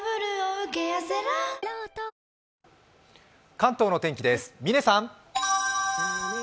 関東の天気です。